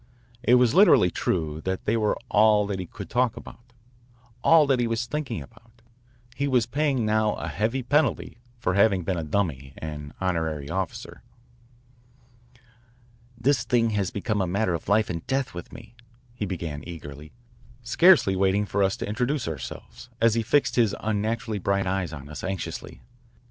It was literally true that they were all that he could talk about, all that he was thinking about. He was paying now a heavy penalty for having been a dummy and honorary officer. "This thing has become a matter of life and death with me," he began eagerly, scarcely waiting for us to introduce ourselves, as he fixed his unnaturally bright eyes on us anxiously.